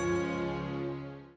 sampai jumpa lagi